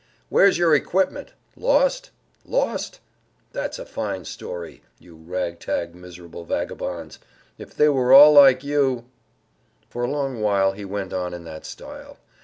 "Where is your equipment?—Lost?—Lost? That's a fine story. You rag tag miserable vagabonds. If they were all like you—" For a while he went on in that style.